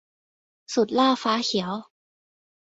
สุดหล้าฟ้าเขียว